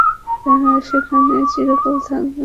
তারা সেখানে চিরকাল থাকবেন।